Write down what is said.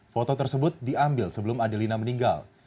foto tersebut diambil sebelum adelina meninggal